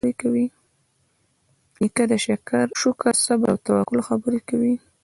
نیکه د شکر، صبر، او توکل خبرې کوي.